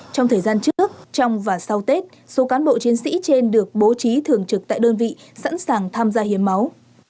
trong thời gian trước trong và sau tết số cán bộ chiến sĩ trên được bố trí thường trực tại đơn vị sẵn sàng tham gia hiến máu